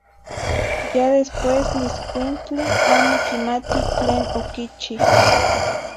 Ya después niscuintli amo quimati tlen oquichih.